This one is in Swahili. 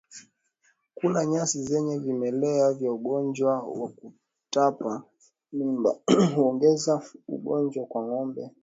Kula nyasi zenye vimelea vya ugonjwa wa kutupa mimba hueneza ugonjwa kwa ngombe